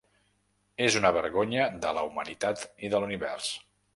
És una vergonya de la humanitat i de l’univers.